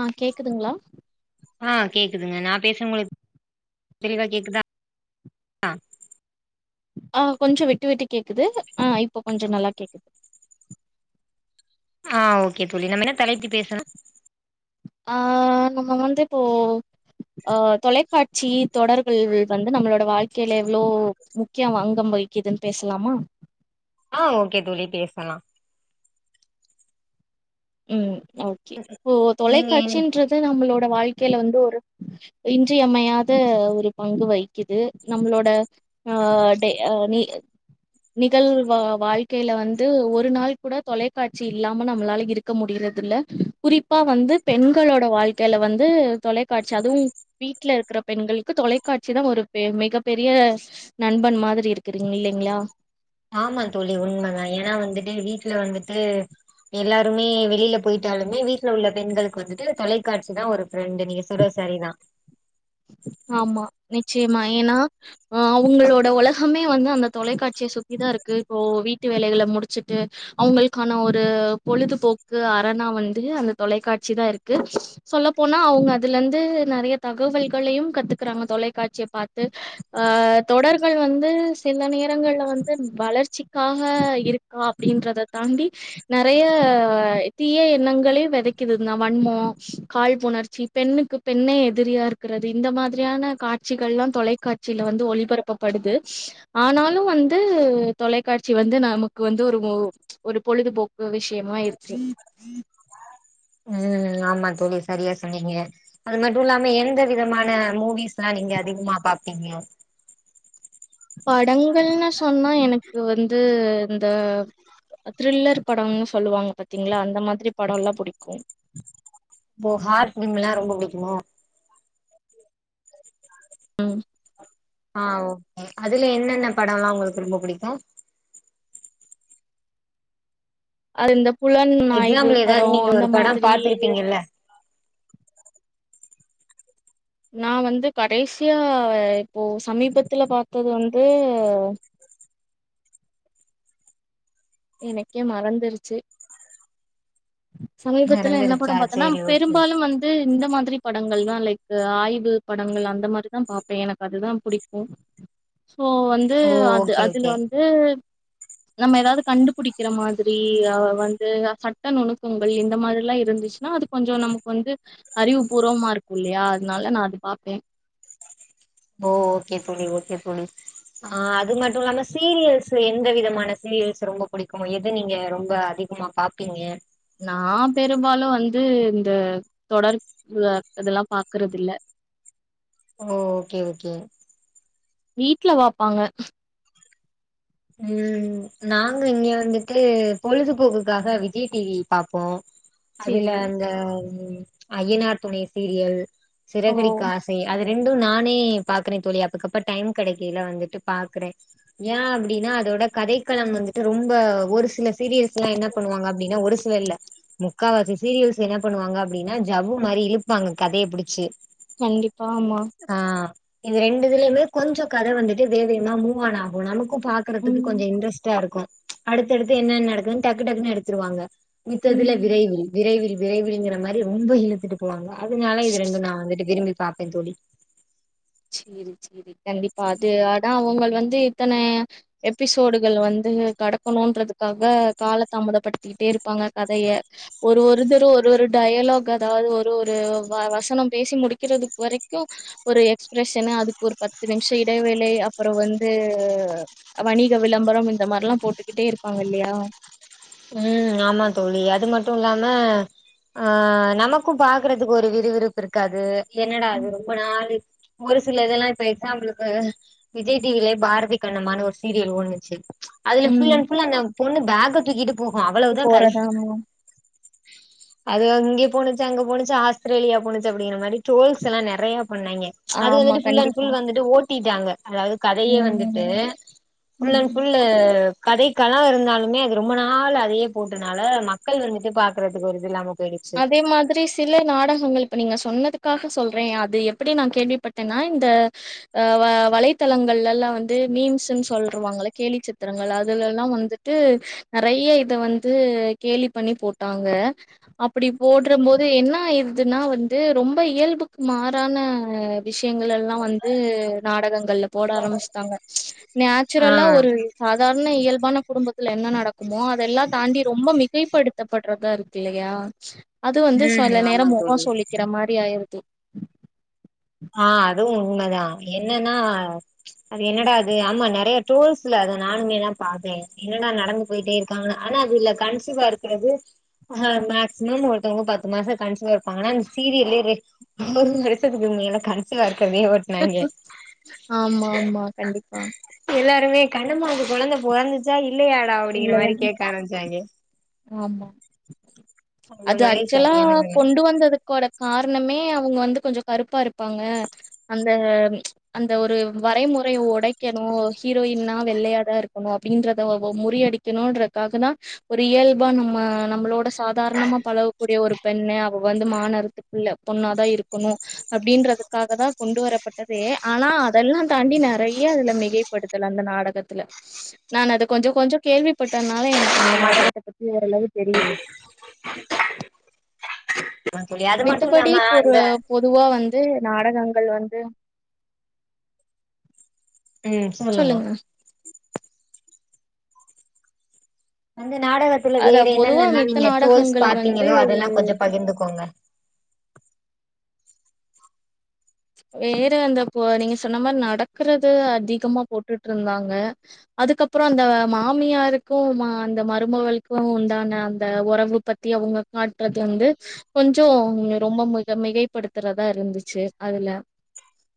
ஆஹ் கேக்குதுங்களா ஆஹ் கேக்குதுங்க நா பேசும் தெளிவா கேக்குதா ஆஹ் ஆஹ் கொஞ்சோ விட்டு விட்டு கேக்குது ஆஹ் இப்போ கொஞ்சோ நல்லா கேக்குது ஆஹ் ஓக்கே தோழி நாம என்ன தலைப்பு பேசணு ஆஹ் நம்ம வந்து இப்போ அஹ் தொலைக்காட்சி தொடர்கள் வந்து நம்மளோட வாழ்க்கையில எவ்ளோ முக்கியம் அங்கம் வகிக்குதுன் பேசலாமா ஆஹ் ஓகே தோழி பேசலா உம் ஓகே இப்போ நீங்க என் தொலைக்காட்சின்றது நம்முளோட ட வாழ்க்கையில வந்து ஒரு இன்றியமையாத ஒரு பங்கு வகிக்குது நம்மளோட அஹ் டே அ நீ நிகழ்வ வாழ்க்கையில வந்து ஒரு நாள் கூட தொலைக்காட்சி இல்லாம நம்மளால இருக் இருக்க முடியறதில்ல குறிப்பா வந்து பெண்களோட வாழ்க்கைல வந்து தொலைக்காட்சி அதுவு வீட்ல இருக்குற பெண்கள்க்கு தொலைக்காட்சி தா ஒரு பெ மிகப்பெரிய நண்பன் மாத்ரி இருக்கு ஆமா தோழி உண்மதா ஏன்னா வந்துட்டு வீட் வீட்ல வந்துட்டு எல்லாருமே வெளியில போயிட்டாலுமே வீட்டுல உள்ள பெண்களுக்கு வந்துட்டு தொலைக்காட்சி தா ஒரு ஃப்ரெண்டு நீங்க சொன்னது சரி தா ஆமா நிச்சய்மா ஏன்னா அஹ் அவங்களோட உலகமே வந்து அந்த தொலைக்காட்சிய சுத்திதா இருக்கு இப்போ வீட்டு வேலைகள முடிச்சுட்டு அவங்களுக்கான ஒரு பொழுதுபோக்கு அரணா வந்து அந்த தொலைக்காட்சி தா இருக்கு சொல்லப்போனா அவுங்க அதுலர்ந்து நெறைய தகவல் களையு கத்துக்குறாங்க தொலைக்காட்சிய பாத்து ஹ தொடர்கள் வந்து சில நேரங்கள்ல வந்து வளர்ச்சிக்காக இருக்கா அப்டின்றத தாண்டி நெறைய அ தீய எண்ணங்களை விதைக்குது வன்மோ கால்ப்புணர்ச்சி பெண்ணுக்கு பெண்ணே எதிரியா இருக் ருக்குறது இந்த மாத்ரியான காட்சிகள்ல்லா தொலைக்காட்சில வந்து ஒளிபரப்பப்படுது ஆனாலு வந்து உ தொலைக்காட்சி வந்து நமக்கு வந்து ஒரு ஒரு பொழுதுபோக்கு விஷயமாயிருக்கு உம் ஆமா தோழி சரியா சொன்னீங்க அது மட்டு இல்லாம எந்த விதமான மூவிஸ்லா நீங்க அதிகமா பாப்பீங்க படங்கள்னு சொன்னா எனக்கு வந்து இந்த த்ரில்லர் படம்ன்னு சொல்லுவாங்க பாத்தீங்களா அந்த மாத்ரி படோல்லா புடிக்கு இப்போ ஹார் ஃபிலிம்லா ரொம்ப புடிக்குமா ம் ஹ் ஆ ஓகே அதுல என்னென்ன படோல்லா உங்களுக்கு ரொம்ப புடிக்கு அது இந்த புல நாய்வு எக்ஸாம்பிள் படோ ஏதாவது நீங்க அந்த ஒரு படம் மாதிரி இரு பாத்திருப்பீங்கல்ல நா வந்து கடைசியா இப்போ சமீபத்துல பாத்தது வந்து எனக்கே மறந்துருச்சு சமீபத்துல என்ன நடந்துருச்சா படம் பாத்தோன்னா சேரி ஓகே ஓகே பெரும்பாலும் வந்து இந்த மாதிரி படங்கள் தா லைக் ஆய்வு படங்கள் அந்த மாரிதா பாப்பே எனக்கு அதுதா புடிக்கு போ வந்து ஓ அது ஓகே அதுல ஓகே வந்து நம்ம ஏதாவுது கண்டுபுடிக்கிற மாதிரி ஆ வந்து சட்ட நுணுக்கங்கள் இந்த மாதிரிலா இருந்துச்சுன்னா அது கொஞ்சோ நமக்கு வந்து அறிவுபூர்வமாருக்கு இல்லையா அதனால நா அது பாப்பே ஓஹ் ஓகே தோழி ஓகே தோழி ஆ அது மட்டு இல்லாம சீரியல்ஸ் எந்த விதமான சீரியல்ஸ் ரொம்ப பிடிக்கு எது நீங்க ரொம்ப அதிகமா பாப்பீங்க நா பெரும்பாலு வந்து இந்த தொடர் இதெல்லா பாக்குற தில்ல ஓ ஹ் ஓகே ஓகே வீட்ல வாப்பாங்க உம் நாங்க இங்க வந்துட்டு பொழுதுபோக்குக்காக விஜய் டிவி பாப்போ அதுல சேரி அந்த அய்யனார் துணை சீரியல் ஓ சிறகடிக்க ஆசை அது ரெண்டு நானே பாக்குறே தோழி அப்புக்கப்ப டைம் கெடேக்கில வந்துட்டு பாக்குறே ஏ அப் டினா அதோட கதைக்களம் வந்துட்டு ரொம்ப ஒரு சில சீரியல்ஸ் எல்லா என்ன பண்ணுவாங்க அப்டின்னா ஒரு சிலர்ல முக்காவாசி சீரியல்ஸ் என்ன பண்ணுவாங்க அப்டின்னா ஜவு மாரி இழுப்பாங்க கதையே புடிச்சு கண்டிப்பா ஆமா ஆ இது ரெண்டுதுலயுமே கொஞ்சோ கதை வந்துட்டு வேவ் வேவ்னா மூவான ஆகு நமக்கு பா க்கரதுக்கு ம் கொஞ்சோ இன்ட்ரஸ்ட இருக்கு அடுத்தடுத்து என்னென்ன நடக்குதுன்னு டக்கு டக்குன்னு எடுத்துருவாங்க மித்ததுல ம் விரைவில் விரைவில் விரைவில் ங்கிற மாரி ரொம்ப இழுத்துட்டு போவாங்க அதனால இது ரெண்டு நா வந்துட்டு விரும்பி சாப்டே தொழி சேரி சேரி கண்டிப்பா அது ஆனா அவுங்கள் வந்து இத்தனைய எபிசோடுகள் வந்து கடக்கணுன்றதுக்காக கால தாமதப்படுத்திட்டே இருப்பாங்க கதய ஒரு ஒரு தரு ஒரு ஒரு டையலாக் அதாவது ஒரு ஒரு வ வசனம் பேசி முடிக்கிறது வரைக்கு ஒரு எஸ் பிரஸ்னு அதுக்கு ஒரு பத்து நிம்ஷோ இடைவேளை அப்புறோ வந்து வணிக விளம்பரம் இந்த மாரில்லா போட்டுக்கிட்டே இருப்பாங்க இல்லையா ம் ஆமா தோழி அது மட்டு இல்லாம ஆ நமக்கு பாக்குறதுக்கு ஒரு விறுவிறுப் இருக்காது என்னடா அது ரொம்ப நாளி ஒரு சில இதெல்லா இப்ப எக்ஸாம்பிலுக்கு விஜய் டிவியே பாரதி கண்ணம்மானு ஒரு சீரியல் ஓணுச்சு அதுல ஃபுல் அண் ஃபுல் அந்த பொண்ணு பேக்க தூக்கிட்டு போகு ப் அவ்வளவுதா கதை போறதானோ அது அங்கே போணுச்சு அங்க போணுச்சு ஆஸ்திரேலியா போணுச்சு அப்டீன மாரி டோல்ஸ் எல்லா நெறைய பன்னாங்கே அது ஆமா வந்துட்டு ஃபுல் அன் கண்டிப்பா ஃபுல் வந்துட்டு ஓ ட்டிட்டாங்க அதாவது கதயே வந்துட்டு ம் ஃபுல் அண் ம் ஃபுல்லு கதைக் கலா இருந்தாலுமே அது ரொம்ப நா ஆள் அதையே போட்டனால மக்கள் வந்துட்டு பாக்குறதுக்கு ஒரு இது இல்லாம போயிடுச்சு அதே மாதிரி சில நாடகங்கள் இப்ப நீங்க சொன்னதுக்காக சொல்றே அது எப்டி நா கேள்விப்பட்டேன்னா இந்த அ வ வலைத்தளங்கள்ல எல்லா வந்த மீம்ஸ்ன்னு சொல்ருவாங்கள கேலி சித்திரங்கள் அதுல எல்லா வந்துட்டு நெறைய இத வந்து கேலி பண்ணி போட்டாங்க அப் அப்டி போடுடற போது என்ன ஆயிருதுன்னா வந்து ரொம்ப இயல்புக்கு மாறான விஷ்யங்கள் ல்லா வந்து நாடகங்கள் போட ஆரம்பிஸ்டாங்க ஆ நேச்சுரலா ஒரு சாதாரண இயல்பான குடும்பத்த த்துல என்ன நடக்குமோ அதெல்லா தாண்டி ரொம்ப மிகைப்படுத்தப்படுறதா இருக்கு இல்லையா ச அது வந்து ம் சொல ஆமா நேரம் முக தோழி சொழிக்கிற மாரி ஆயிரு தெ ஆஹ் அதுவும் உண்மைதா என்னன்னா அது என்னடா அது ஆமா நெறைய டோல்ஸ்ல்ல அத நானுமேதா பாத்தே என்னடா நடந்து போயிட்டே இருக்காங்க ஆனா அதுல கன்சிவா இருக்கிறது ஆஹ் மேக்சிமம் ஒருத்தவங்க பத்து மாசம் கன்சிவா இருப்பாங்கனா இந்த சீரியல்லே ஒரு வருசத்துக்கு உண்மையில கன்சிவா ஆமா ஆமா கண்டிப்பா கண்ணமாக்கு கொழந்த பொறந்துச்சா இல்ல இல்லையாடா அப்டிங்கிற இல்லையா மாரி கேட்க ஆரம்பிச்சாங்கே ஆமா அது மாரி ஆக்சொலா சரியானது கொண்டு வந்ததுக்கோட கார்ணமே அவுங்க வந்து கொஞ்சொ கருப்பா இருப்பாங்க அந்த அந்த ஒரு வரைமுறை ஒடைக்கணு ஹீரோயின்னா வெள்ளையாதா இருக்கணு அப்டின்றத ஒ ஒ ஒ முறியடிக்கணுன்றக்காகதா இயல்பா நம்ம நம்மளோட சாதாரணமா பழகக்கூடிய ஒரு பெண்ண அவ வந்து மா நெறத்துக்குள்ள பொண்ணாதா இருக்கணு அப்டின்றதுக்காக தா கொண்டு வரப்பட்டதே ஆனா அதல்லா தாண்டி நறைய அதுல மிகைப்படுத்தல் அந்த நாடகத்துல நானு அது கொஞ்ச கொஞ்ச கேள்விப்பட்டத்னால எனக்கு அந்த ஆமா நாடகத் த பத்தி ஓரளவு தெரியுது தோழி அது மட்டு மித்தபடி இல்லாம பொரு அந்த பொதுவா வந் து நாடகங்கள் வந்து ம் சொல்லுங்க அந்த நாடகத்துல அதா வேற பொதுவா என்னென்னெல்லா மித்த நீங்க ட்ரோல்ஸ் நாடகங்கள் வந்து பாத்தீங்களோ அதெல்லா கொஞ்சோ பகிர்ந்துக்கோங்க வேற அந்த பொ நீங்க சொன்ன மாரி நடக்கறது அதிகமா போட்டுட்டு இருந்தாங்க அதுக்கப்பறோ அந்த மாமியாருக்கு மா அந்த மருமகளுக்கு உண்டான அந்த ஒறவு பத்தி அவங்க காட்றது வந்து கொஞ்சோ ரொம்ப மிக மிகைப்படுத்துறதா இருந்துச்சு அதுல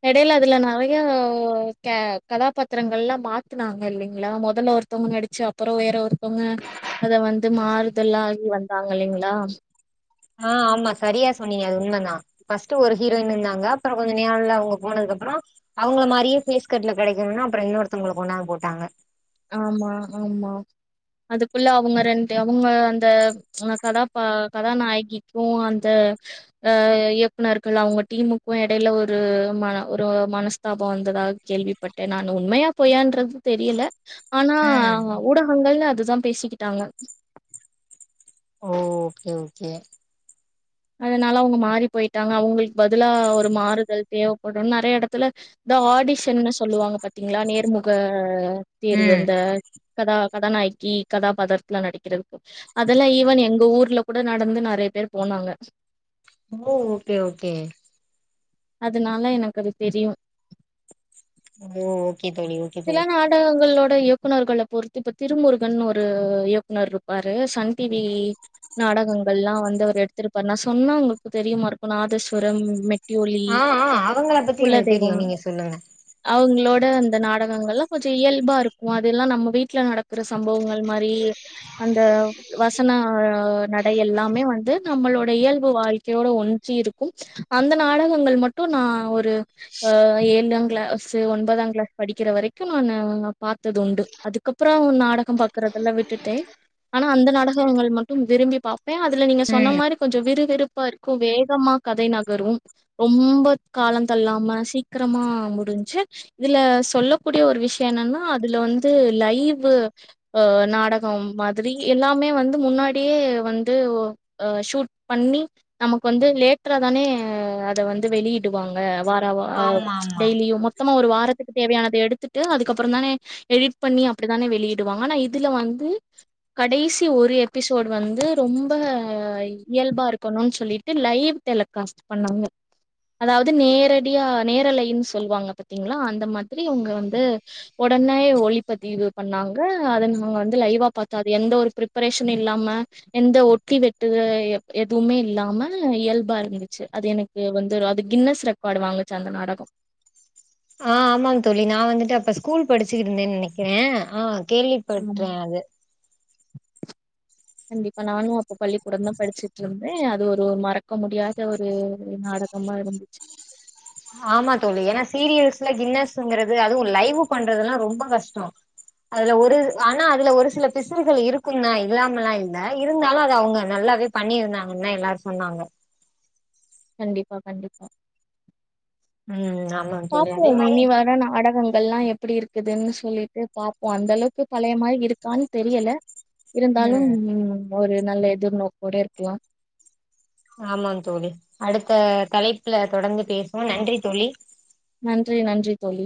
எடையில அதுல நறையா க கதாபாத்திரங்கள் எல்லா மாத்துனாங்க இல்லைங்ளா மொதல்ல ஒருத்தவங்க நடிச்சு அப்றோ வேற ஒருத்தவங்க அத வந்து மாறுதல்லா ஆகி வந்தாங்க இல்லைங்களா ஆ ஆமா சரியா சொன்னீங்க அது உண்மைதா ஃபர்ஸ்ட் ஒரு ஹீரோயின் இருந்தாங்க அப்பறோ கொஞ்ச நாள்ல அவுங்க போனதுக்குப்பறோ அவுங்கள மாரியே ஃபேஸ்கட்ல கெடைக்குணுனு அப்பறோ இன்னொருத்தவங்கள கொண்டாந்து போட்டாங்க ஆமா ஆமா அதுக்குள்ள அவுங்க ரெண்டு அவுங்க அந்த கதாபா கதாநாயகிக்கு அந்த அ இயக்குனர்கள் அவுங்க டீமுக்கு எடையில ஒரு மன ஒரு மனஸ்தாபம் வந்ததாக கேள்விப்பட்டே நானு உண்மையா பொய்யான்றது தெரியல ஆனா ம் ஊடகங்கள்ல அதுதா பேசிக்கிட்டாங்க ஓ ஓகே ஓகே அதனால அவுங்க மாறி போயிட்டாங்க அவங்களுக்கு பதிலா ஒரு மாறுதல் தேவைப்படுனு நறைய எடத் துல தோ ஆடிஷன்னு சொல்லுவாங்க பாத்தீங்ளா நேர்முக தேர்வு ம் அந்த கதா கதாநாயகி கதாபாத்திரத்துல நடிக்கிறதுக்கு அதெல்லா ஈவன் எங்க ஊர்ல கூட நடந்து நெறைய பேர் போனாங்க ஓ ஓகே ஓகே அதுனால எனக்கு அது தெரியு ஓ ஓகே தோழி ஓகே தோழி சில நாடகங்களோட யு குனர்கள பொறுத்து இப்ப திருமுருகன் ஒரு இயக்குனர் இருப்பாரு சன் டிவி நாடகங்கள்லா வந்து அவர் எடுத்துருப்பாரு நா சொன்னா உங்களுக்கு தெரியமாருக்கு நாதஸ்வரம் மெட் ஆ ஆ அவங்கள பத்தி எனக்கு தெரியு நீங்க சொல்லுங்க து அந்த நாட் நாடகங்கள்லா கொஞ்ச இயல்பா இருக்கு அதுல்லா நம்ம வீட்டுல நடக்குற சம்பவங்கள் மாரி அந்த வசன நடை எல்லாமே வந்து நம்மளோட இயல்பு வாழ்க்கையோட ஒன்சி இருக்கு அந்த நாடகங்கள் மட்டு நா ஒரு ஏழாங்க்ளாஸு ஒன்பதாம் க்ளாஸு படிக்கிற வரைக்கு நானு பாத்ததுண்டு அதுக்கப்புற நாடக பாக்குறதெல்லா விட்டுட்டே ஆனா அந்த நாடகங்கள் மட்டு விரும்பி பாப்பே அதுல நீங்க சொன்ன ம் மாதிரி கொஞ்ச விறுவிறுப்பா இருக்கு வேகமா கதை நகரும் ரொம்ப காலந்தள்ளாம சீக்கிரமா முடிஞ்சு இதுல சொல்லக்கூடிய ஒரு விஷய என்னன்னா அதுல வந்து லைவ் நாடக மாதுரி எல்லாமே வந்து முன்னாடியே வந்து ஷூட் பண்ணி நமக்கு வந்து லேட்டரா தானே அத வந்து வெளியிடுவாங்க வார வா ஆமா ஆமா டெய்லியு மா தமா ஒரு வாரத்துக் தேவயானத எடுத்துட்டு அதுக்கப்புறந்தானே எடிட் பண்ணி அப்டிதானே வெளியிடுவாங்க ஆனா இதுல வந்து கடைசி ஒரு எபிசோட் வந்து ரொம்ப இயல்பா இருக்கணுனு சொல்லிட்டு லைவ் டெலகாஸ்ட் பண்ணாங்க அதாவது நேரடியா நேரலைன்னு சொல்லுவாங்க பாத்தீங்களா அந்த மாத் திரி இவுங்க வந்து ஒடனை ஒளிப்பதிவு பண்ணாங்க அத நாங்க வந்து லைவா பாத்தோ அது எந்த ஒரு பிரிப்பரேஷன் இல்லாம எந்த ஒட்டி வெட்டுத எதுவுமே இல்லாம இயல்பா இருந்துச்சு அது எனக்கு வந்து அது கின்னஸ் ரெக்கார்டு வாங்குச்சு அந்த நாடகோ ஆ ஆமாங் தோழி நா வந்துட்டு அப்ப ஸ்கூல் படிச்சிக்கிட்டுருந்தே நெனைக்கிறே ஆ கேள்விப்பட்ற்றே ஆமா அது கண்டிப்பா நானு அப்ப பள்ளிக்கூடந்தா படிச்சுட்டு இருந்தே அது ஒரு ஒரு மறக்க முடியாத ஒரு நாடகமா இருந்துச்சு ஆமா தோழி ஏன்னா சீரியல்ஸ்ல கின்னஸ்ங்கிறது அதுவு லைவு பண்றதுல்லா ரொம்ப கஷ்டோ அதுல ஒரு ஆனா அதுல ஒரு சில பிசுறுகள் இருக்குந்தா இல்லாமலா இல்ல இருந்தாலு அது அவங்க நல்லாவே பண்ணிருந்தாங்கன்தா எல்லாரு சொன்னாங்க கண்டிப்பா கண்டிப்பா ம் ஆமா தோழி அதே பாப்போம் மாரி இனி வர நாடகங் ல்லா எப்படி இருக்குதுன்னு சொல்லிட்டு பாப்போ அந்த அளவுக்கு பழைய மாரி இருக்கான்னு தெரியல இருந்தாலும் ம் ஒரு நல்ல எதிர்நோக்கோடே இருக்கலா ஆமாங் தோழி அடுத்த தலைப்புல தொடர்ந்து பேசுவோ நன்றி தோழி நன்றி நன்றி தோழி